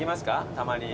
たまに。